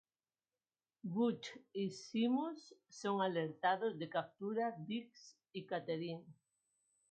Butch y Seamus son alertados de captura Diggs y Catherine.